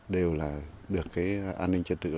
đều được an ninh trật tự